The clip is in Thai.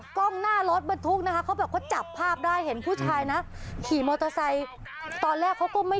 ตอนแรกคิดว่าใส่กางเกง